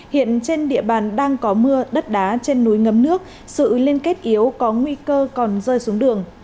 hiện trên địa bàn đang có mưa đất đá trên núi ngấm nước sự liên kết yếu có nguy cơ còn rơi xuống đường